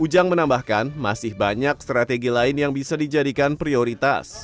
ujang menambahkan masih banyak strategi lain yang bisa dijadikan prioritas